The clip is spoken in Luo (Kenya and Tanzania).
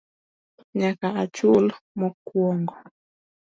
Nyaka achul mokwongo